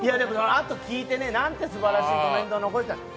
あと聞いてなんてすばらしいコメントを残したんだと。